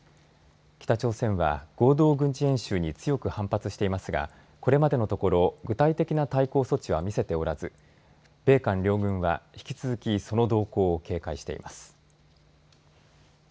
北朝鮮は合同軍事演習に強く反発していますが、これまでのところ具体的な対抗措置は見せておらず米韓両軍は引き続きその動向を警戒しています。